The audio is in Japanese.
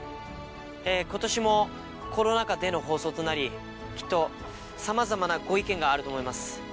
今年もコロナ禍での放送となりきっとさまざまなご意見があると思います。